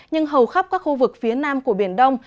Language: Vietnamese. nhưng hầu khắp các khu vực phía nam của biển đông